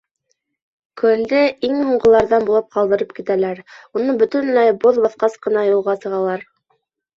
Күлде иң һуңғыларҙан булып ҡалдырып китәләр — уны бөтөнләй боҙ баҫҡас ҡына юлға сығалар.